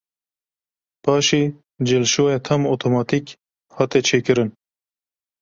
Paşê cilşoya tam otomatik hate çêkirin.